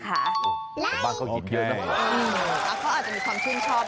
เขาอาจจะมีความชุ่มชอบ